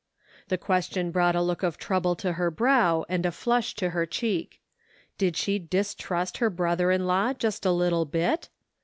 The question brought a look of trouble to her brow, and a flush to her cheek. Did she distrust her brother in law just a little bit?